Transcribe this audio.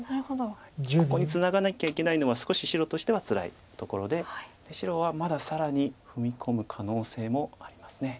ここにツナがなきゃいけないのは少し白としてはつらいところで白はまだ更に踏み込む可能性もあります。